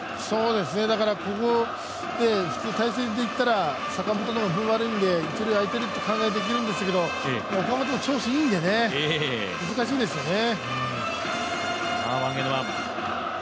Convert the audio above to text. だからここって普通対戦でいったら、坂本の方が分が悪いので、一塁あいていると考えられるんですけど岡本の調子がいいんで難しいですね。